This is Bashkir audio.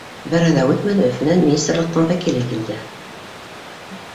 Бер ай ҙа үтмәне Өфөнән министрлыҡтың вәкиле килде.